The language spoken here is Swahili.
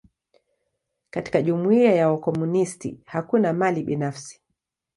Katika jumuia ya wakomunisti, hakuna mali binafsi.